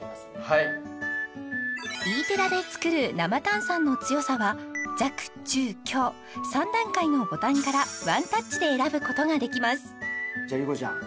はいＥ−ＴＥＲＲＡで作る生炭酸の強さは弱中強３段階のボタンからワンタッチで選ぶことができますじゃあ莉子ちゃん